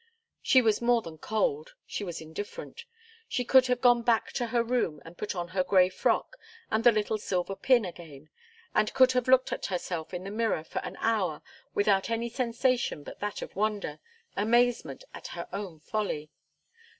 She was more than cold. She was indifferent. She could have gone back to her room and put on her grey frock, and the little silver pin again, and could have looked at herself in the mirror for an hour without any sensation but that of wonder amazement at her own folly.